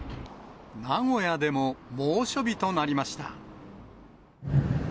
名古屋でも猛暑日となりました。